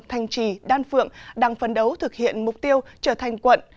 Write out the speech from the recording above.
thanh trì đan phượng đang phấn đấu thực hiện mục tiêu trở thành quận